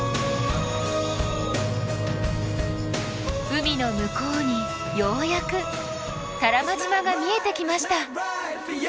海の向こうにようやく多良間島が見えてきました。